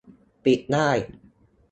ปิดได้